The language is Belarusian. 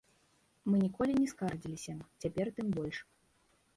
Мы ніколі не скардзіліся, цяпер тым больш.